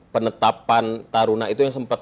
penetapan taruna itu yang sempat